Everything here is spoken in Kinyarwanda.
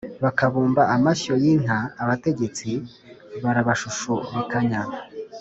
Bakabumba amashyo y’inka, Abategetsi barabashushubikanya,